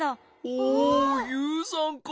おユウさんか。